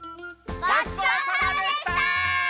ごちそうさまでした！